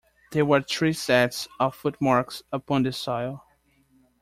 There were three sets of footmarks upon the soil.